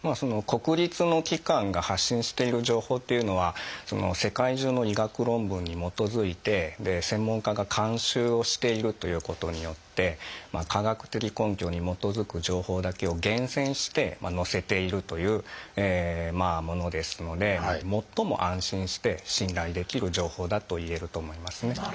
国立の機関が発信している情報というのは世界中の医学論文に基づいて専門家が監修をしているということによって科学的根拠に基づく情報だけを厳選して載せているというものですので最も安心して信頼できる情報だと言えると思いますね。